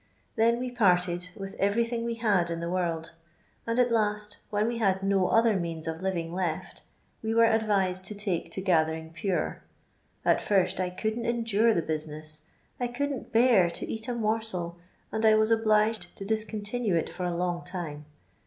Then we parted with everything we had in the world ; and, at last, when we had no other meana of living left, we were advised to take to gathering ' Pure.' At first I couldn't endure the business ; I couldn't bear to eat a morsel, and I was obliged to diKontinue it for a long time.